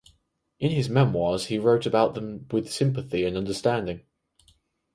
In his memoirs he wrote about them with sympathy and understanding.